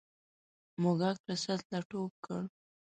موږک له سطله ټوپ کړ.